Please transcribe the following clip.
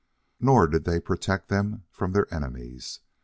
Nor did they protect them from their enemies.